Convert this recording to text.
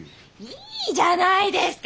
いいじゃないですか！